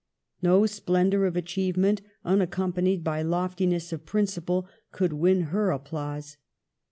No splendor of achievement unac companied by loftiness of principle could win her applause.